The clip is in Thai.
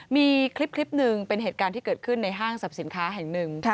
มีคลิปหนึ่งเป็นเหตุการณ์ที่เกิดขึ้นในห้างสรรพสินค้าแห่งหนึ่ง